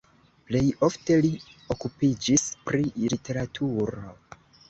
Plej ofte li okupiĝis pri literaturo.